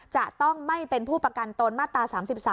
จะต้องไม่เป็นผู้ประกันตนมาตรา๓๓